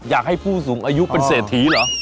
อยากให้ผู้สูงอายุเป็นเศรษฐีเหรอ